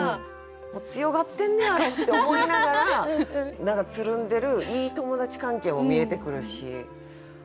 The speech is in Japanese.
強がってんねやろって思いながら何かつるんでるいい友達関係も見えてくるしねっ。